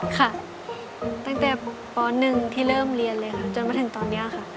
ค่ะตั้งแต่ป๑ที่เริ่มเรียนเลยค่ะจนมาถึงตอนนี้ค่ะ